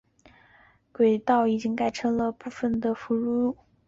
新店线之轨道已经改成汀州路及部分的罗斯福路。